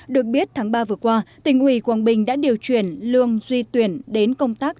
được biết tháng ba vừa qua tỉnh ủy quảng bình đã điều chuyển lương duy tuyển đến công tác